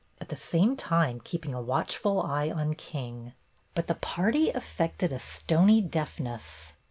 at the same time keeping a watchful eye on King. But the party affected a stony deafness.